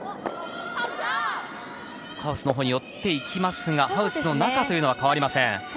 ハウスのほうに寄っていきましたがハウスの中というのは変わりません。